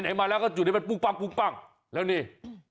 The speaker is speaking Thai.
ในไหนมาแล้วก็จุดเป็นปุ๊บป่างแล้วนี่